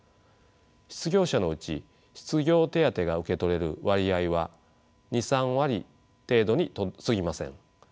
失業者のうち失業手当が受け取れる割合は２３割程度にすぎません。